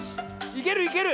いけるいける！